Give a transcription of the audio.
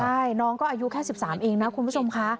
ใช่น้องก็อายุแค่๑๓เองนะคุณผู้ชมค่ะ